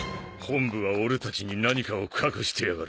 本部は俺たちに何かを隠してやがる。